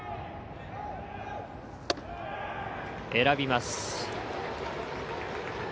選びます。